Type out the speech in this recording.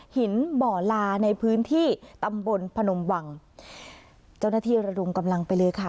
หินบ่อลาในพื้นที่ตำบลพนมวังเจ้าหน้าที่ระดมกำลังไปเลยค่ะ